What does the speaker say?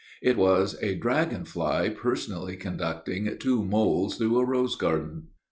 It was a dragon fly personally conducting two moles through a rose garden.